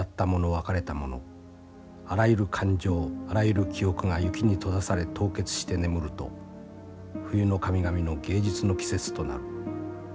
別れたものあらゆる感情あらゆる記憶が雪に閉ざされ凍結して眠ると冬の神々の芸術の季節となる。